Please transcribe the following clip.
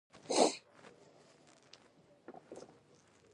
تاریخ د خپل ولس د وفادارۍ لامل دی.